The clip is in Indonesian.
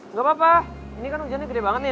nih gapapa ini kan hujannya gede banget nih